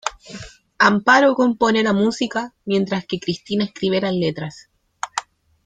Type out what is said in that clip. Amparo compone la música, mientras que Cristina escribe las letras.